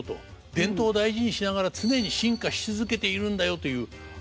伝統を大事にしながら常に進化し続けているんだよという証しなのかもしれませんね。